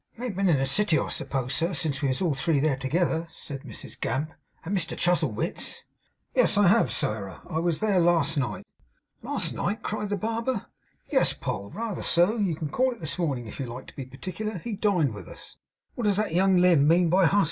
'You ain't been in the City, I suppose, sir, since we was all three there together,' said Mrs Gamp, 'at Mr Chuzzlewit's?' 'Yes, I have, Sairah. I was there last night.' 'Last night!' cried the barber. 'Yes, Poll, reether so. You can call it this morning, if you like to be particular. He dined with us.' 'Who does that young Limb mean by "hus?"